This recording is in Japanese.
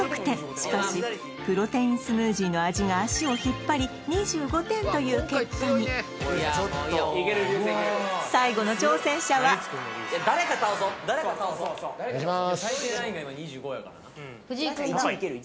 しかしプロテインスムージーの味が足を引っ張り２５点という結果に最後の挑戦者はお願いします